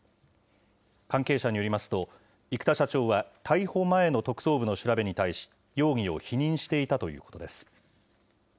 関係者によりますと、生田社長は逮捕前の特捜部の調べに対し、容疑を否認していたということです。